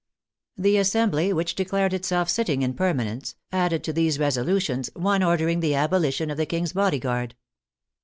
The Assembly, which declared 34 THE FRENCH REVOLUTION itself sitting in permanence, added to these resolutions one ordering the abolition of the King's bodyguard.